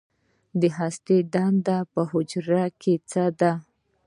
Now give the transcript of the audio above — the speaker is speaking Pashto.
د هستې دنده په حجره کې څه ده